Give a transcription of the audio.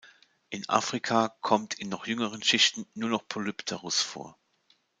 In Afrika kommt in noch jüngeren Schichten nur noch "Polypterus" vor.